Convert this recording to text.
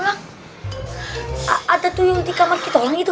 ada tuh yang di kamar kita orang itu